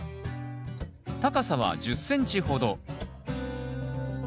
高さは１０ｃｍほど。